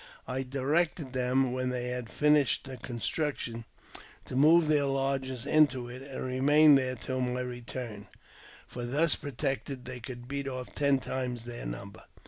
I directed them, when they had finished the construction, to move their lodges into it, and remain there till my return, for, thus protected, they could beat off ten times their number.